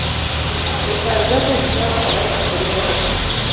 Rufaa zote zikawa kwa Rais Karume pekee